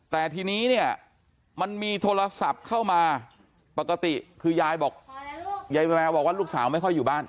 แต่ทีนี้เนี่ยมันมีโทรศัพท์เข้ามาปกติคือยายบอกยายแววบอกว่าลูกสาวไม่ค่อยอยู่บ้าน